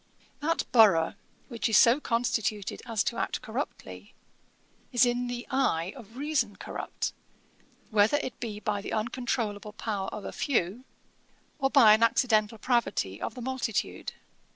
That borough, which is so constituted as to act corruptly, is in the eye of reason corrupt, whether it be by the uncontrolable power of a few, or by an accidental pravity of the multitude.